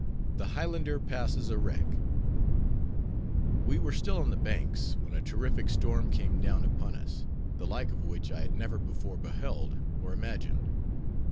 THE HIGHLANDER PASSES A WRECK We were still on the Banks, when a terrific storm came down upon us, the like of which I had never before beheld, or imagined.